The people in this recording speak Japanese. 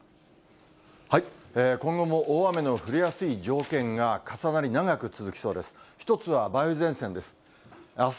今後も大雨の降りやすい条件が重なり、長く続きそうです。